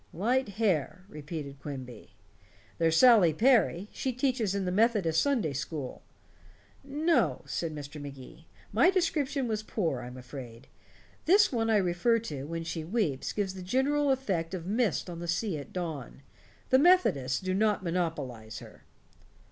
"Light hair," repeated Quimby. "There's Sally Perry. She teaches in the Methodist Sunday school." "No," said Mr. Magee. "My description was poor, I'm afraid. This one I refer to, when she weeps, gives the general effect of mist on the sea at dawn. The Methodists do not monopolize her."